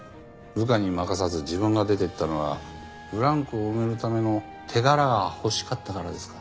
部下に任さず自分が出ていったのはブランクを埋めるための手柄が欲しかったからですか？